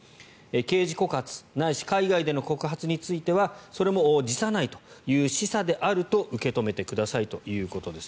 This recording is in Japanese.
刑事告発ないし海外での告発についてはそれも辞さないという示唆であると受け止めてくださいということです。